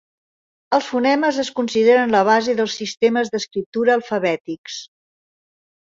Els fonemes es consideren la base dels sistemes d'escriptura alfabètics.